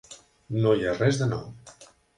No hi ha res de nou.